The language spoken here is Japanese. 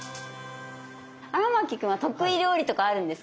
荒牧君は得意料理とかあるんですか？